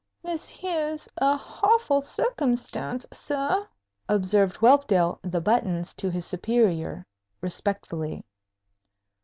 "This 'ere's a hawful succumstence, sir," observed Whelpdale the Buttons to his superior, respectfully.